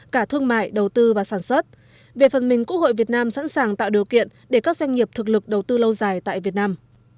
cả thương mại đầu tư và sản xuất về phần mình quốc hội việt nam sẵn sàng tạo điều kiện để các doanh nghiệp thực lực đầu tư lâu dài tại việt nam